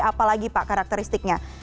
apa lagi pak karakteristiknya